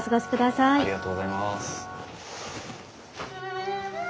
ありがとうございます。